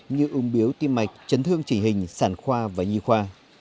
như ung biếu tim mạch chấn thương chỉ hình sản khoa và nhi khoa